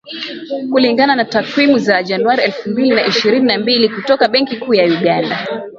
Kulingana na takwimu za Januari elfu mbili na ishirini na mbili kutoka Benki Kuu ya Uganda